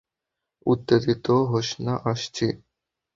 উত্তেজিত হোস না, আসছি।